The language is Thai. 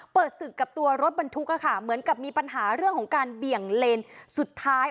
ศึกกับตัวรถบรรทุกค่ะเหมือนกับมีปัญหาเรื่องของการเบี่ยงเลนสุดท้าย